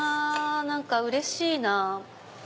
何かうれしいな。